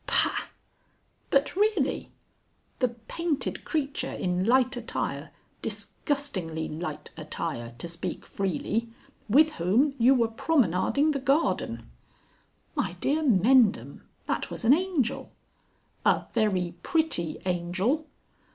"Pah!" "But really!" "The painted creature in light attire disgustingly light attire, to speak freely with whom you were promenading the garden." "My dear Mendham that was an Angel!" "A very pretty Angel?"